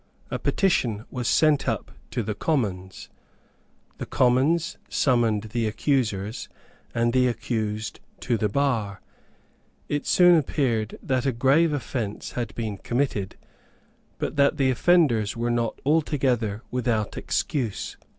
A petition was sent up to the Commons. The Commons summoned the accusers and the accused to the bar. It soon appeared that a grave offence had been committed, but that the offenders were not altogether without excuse.